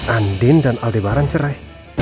andin dan aldebaran cerai